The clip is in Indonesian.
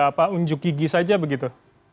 apa unjuk gigi saja begitu